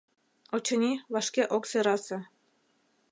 Очыни, вашке ок сӧрасе.